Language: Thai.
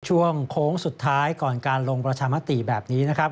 โค้งสุดท้ายก่อนการลงประชามติแบบนี้นะครับ